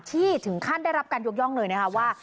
ที่ถึงขั้นได้รับการยกย่องเลยนะคะว่า